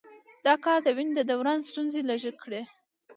دا کار د وینې د دوران ستونزې لږې کړي.